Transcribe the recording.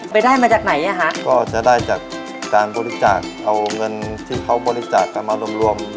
ได้มาจากไหนอ่ะฮะก็จะได้จากการบริจาคเอาเงินที่เขาบริจาคกันมารวมรวม